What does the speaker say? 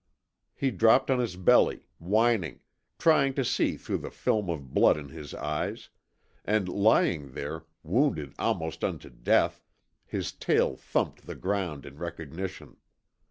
He dropped on his belly, whining, trying to see through the film of blood in his eyes; and lying there, wounded almost unto death, his tail thumped the ground in recognition.